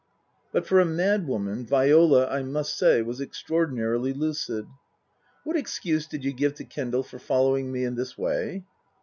But for a mad woman Viola, I must say, was extra ordinarily lucid. " What excuse did you give to Kendal for following me in this way